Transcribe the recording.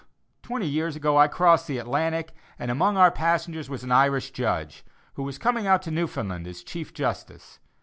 Twenty years ago I crossed the Atlantic, and among our passengers was an Irish judge, who was coming out to Newfoundland as chief justice.